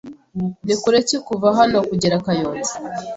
Ni kure ki kuva hano kugera Kayonza?